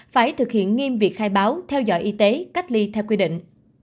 phải thực hiện nghiêm việc khai báo theo dõi y tế cách ly theo quy định